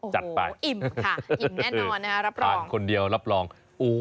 จัดไปอิ่มค่ะอิ่มแน่นอนนะครับรับรองจัดไป